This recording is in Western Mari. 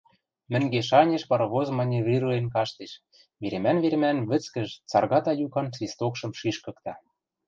Мӹнгеш-анеш паровоз маневрируен каштеш, веремӓн-веремӓн вӹцкӹж, царгата юкан свистокшым шишкыкта.